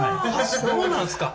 そうなんですか。